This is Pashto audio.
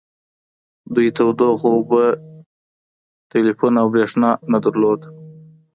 دوی تودوخه اوبه ټیلیفون او بریښنا نه درلوده